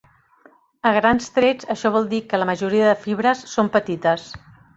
A grans trets això vol dir que la majoria de fibres són petites.